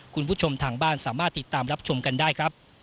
คุณผู้ชมทางบ้านสามารถติดตามรับชมกันได้ครับ